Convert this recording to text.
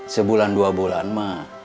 sebulan dua bulan mah